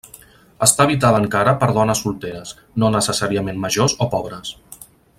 Està habitada encara per dones solteres, no necessàriament majors o pobres.